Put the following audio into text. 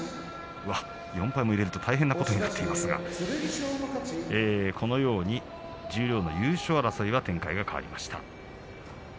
４敗も入れると大変なことになっていますが十両の優勝争いは展開は変わりました。